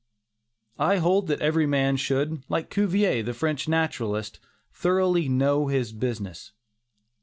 I hold that every man should, like Cuvier, the French naturalist, thoroughly know his business.